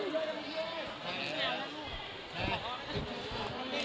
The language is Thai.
ดูหน่อย